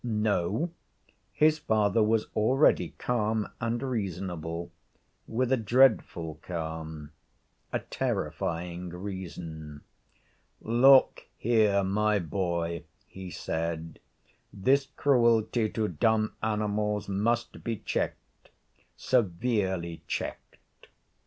No; his father was already calm and reasonable with a dreadful calm, a terrifying reason. 'Look here, my boy,' he said. 'This cruelty to dumb animals must be checked severely checked.'